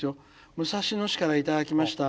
武蔵野市から頂きました。